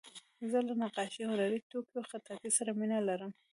زه له نقاشۍ، هنري توکیو، خطاطۍ سره مینه لرم.